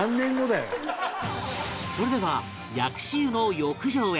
それでは薬師湯の浴場へ